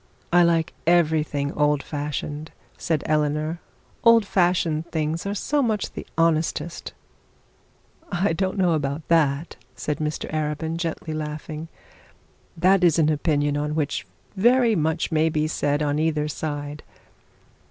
'I like everything old fashioned,' said Eleanor; 'old fashioned things are so much the honestest.' 'I don't know about that,' said Mr Arabin, gently laughing. 'That is an opinion on which very much may be said on either side.